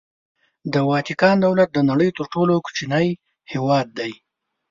د واتیکان دولت د نړۍ تر ټولو کوچنی هېواد دی.